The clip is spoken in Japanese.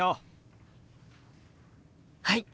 はい！